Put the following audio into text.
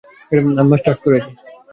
আমি মাস্টার্স করেছি।